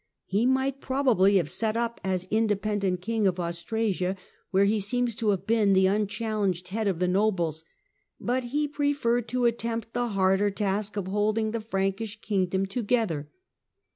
He might probably have set up as independent King of Austrasia, where he seems to have been the unchallenged head of the nobles; but he preferred to attempt the harder task of holding the Frankish kingdom together.